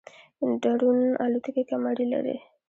ډرون الوتکې کمرې لري